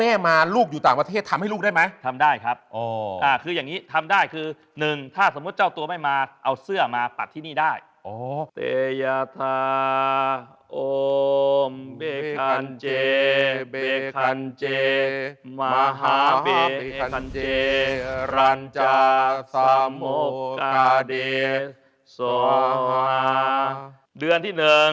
เอางี้ทำได้คือหนึ่งถ้าสมมุติเจ้าตัวไม่มาเอาเสื้อมาปัดที่นี่ได้